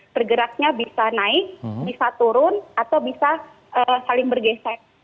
bergeraknya bisa naik bisa turun atau bisa saling bergeser